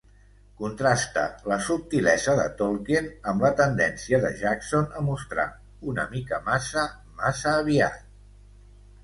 Contrasta la subtilesa de Tolkien amb la tendència de Jackson a mostrar "una mica massa, massa aviat".